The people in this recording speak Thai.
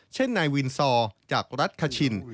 เช่นนายวินซอร์จากรัฐคชิน